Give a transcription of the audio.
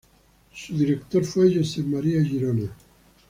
Su director fue Josep Maria Girona.